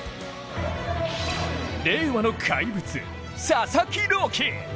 令和の怪物、佐々木朗希。